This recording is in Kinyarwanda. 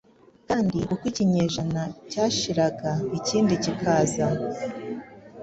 kandi uko ikinyejana cyashiraga ikindi kikaza,